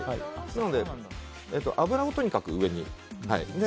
なので、脂をとにかく上に。